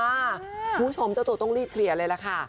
คุณผู้ชมจะต้นต้องรีบเคลียร์เลยละคะ